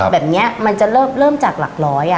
แบบเนี้ยจะเริ่มจากหลักร้อยอ่ะ